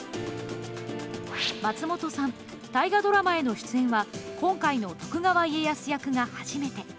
松本さん、大河ドラマへの出演は、今回の徳川家康役が初めて。